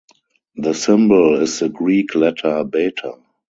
The symbol is the Greek letter beta.